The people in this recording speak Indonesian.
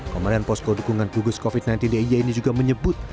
pemeran posko dukungan gugus covid sembilan belas dia ini juga menyebut